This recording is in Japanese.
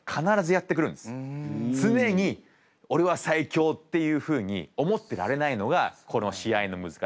常に「オレは最強！」っていうふうに思ってられないのがこの試合の難しさ。